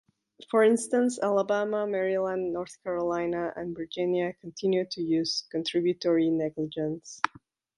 For instance, Alabama, Maryland, North Carolina, and Virginia continue to use contributory negligence.